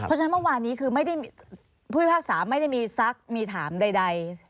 เพราะฉะนั้นเมื่อวานนี้คือไม่ได้ผู้พิพากษาไม่ได้มีซักมีถามใด